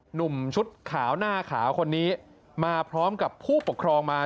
หนุ่มชุดขาวหน้าขาวคนนี้มาพร้อมกับผู้ปกครองมา